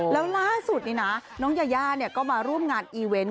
แล้วล่าสุดนี่นะน้องยายาก็มาร่วมงานอีเวนต์